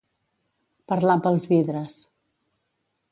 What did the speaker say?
Parlar amb els vidres.